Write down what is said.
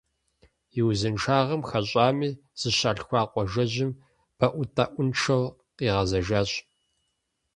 И узыншагъэм хэщӏами, зыщалъхуа къуажэжьым бэӏутӏэӏуншэу къигъэзэжащ.